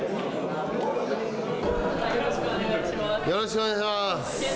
よろしくお願いします。